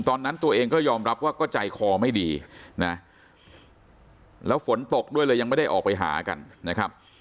ตอนนั้นตัวเองก็ยอมรับว่าก็ใจคอไม่ดีนะแล้วฝนตกด้วยเลยยังไม่ได้ออกไปหากันนะครับ